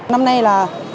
năm nay là